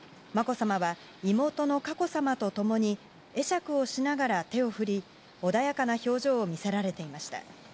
さまは妹の佳子さまと共に会釈をしながら手を振り穏やかな表情を見せられていました。